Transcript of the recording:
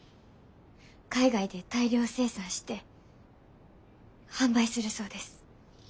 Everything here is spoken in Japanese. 海外で大量生産して販売するそうです。